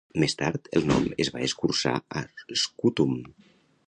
Més tard, el nom es va escurçar a Scutum.